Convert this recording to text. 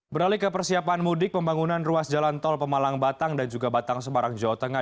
beralih ke persiapan mudik pembangunan ruas jalan tol pemalang batang dan juga batang semarang jawa tengah